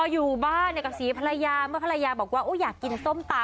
อยู่บ้านเนี่ยกับสีภรรยาเมื่อภรรยาบอกว่าอยากกินส้มตำ